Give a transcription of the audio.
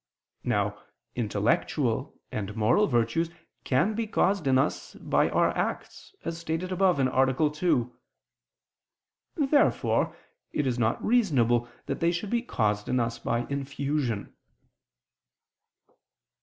Now intellectual and moral virtues can be caused in us by our acts, as stated above (A. 2). Therefore it is not reasonable that they should be caused in us by infusion.